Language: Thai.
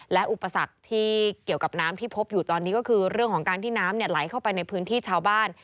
และอุปสรรคที่เกี่ยวกับน้ำที่พบอยู่ตอนนี้ก็คือเรื่องของการที่น้ำไหลเข้าไปในพื้นที่ชาวบ้าน